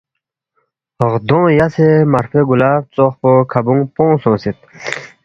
غدونگ یاسے فرفوے گلاب ژوخپو کھبونگ پنگ سونگسید